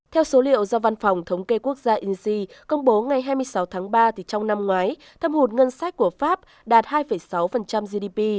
theo số liệu do văn phòng thống kê quốc gia insee công bố ngày hai mươi sáu tháng ba trong năm ngoái thâm hụt ngân sách của pháp đạt hai sáu gdp